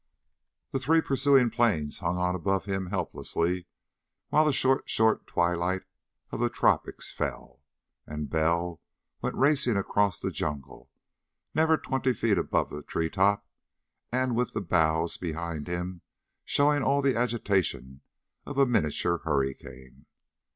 The three pursuing planes hung on above him helplessly while the short, short twilight of the tropics fell, and Bell went racing across the jungle, never twenty feet above the tree top and with the boughs behind him showing all the agitation of a miniature hurricane.